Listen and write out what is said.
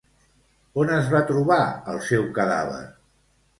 On es va trobar el seu cadàver?